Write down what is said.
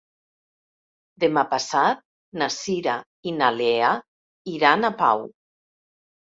Demà passat na Cira i na Lea iran a Pau.